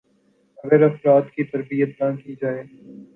ا گر افراد کی تربیت نہ کی جائے